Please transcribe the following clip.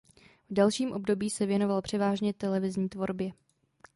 V dalším období se věnoval převážně televizní tvorbě.